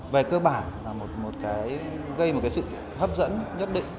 về cơ bản là một cái gây một cái sự hấp dẫn nhất định